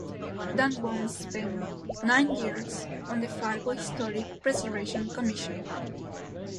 Danbom spent nine years on the Fargo Historic Preservation Commission.